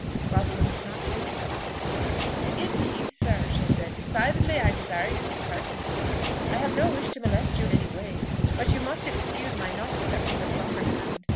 Rosalind did not take his offered hand. "In peace, sir," she said, "decidedly I desire you to depart in peace. I have no wish to molest you in any way. But you must excuse my not accepting your proffered hand.